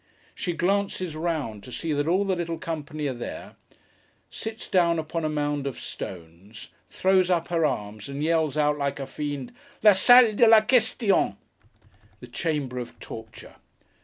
She glances round, to see that all the little company are there; sits down upon a mound of stones; throws up her arms, and yells out, like a fiend, 'La Salle de la Question!' The Chamber of Torture!